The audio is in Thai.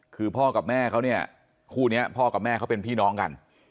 คือพ่อกับแม่เขาเนี่ยคู่นี้พ่อกับแม่เขาเป็นพี่น้องกัน